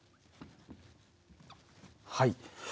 はい。